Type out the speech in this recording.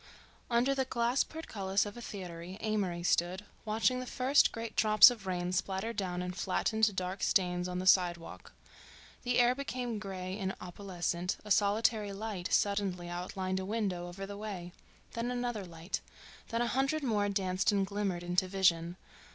Under the glass portcullis of a theatre Amory stood, watching the first great drops of rain splatter down and flatten to dark stains on the sidewalk. The air became gray and opalescent; a solitary light suddenly outlined a window over the way; then another light; then a hundred more danced and glimmered into vision.